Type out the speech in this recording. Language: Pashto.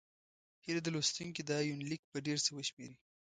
هيله ده لوستونکي دا یونلیک په ډېر څه وشمېري.